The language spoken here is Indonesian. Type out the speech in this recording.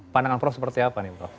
pandangan prof seperti apa nih prof